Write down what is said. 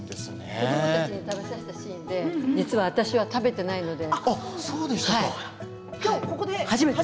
子どもたちに食べさせたシーンで実は私は食べていないので。